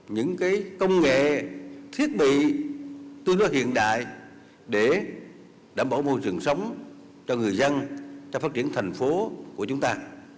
những công nghệ thiết bị tương đối hiện đại để đảm bảo môi trường sống cho người dân cho phát triển thành phố của chúng ta